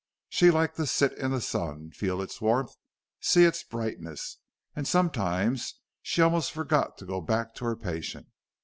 She liked to sit in the sun, feel its warmth, see its brightness; and sometimes she almost forgot to go back to her patient.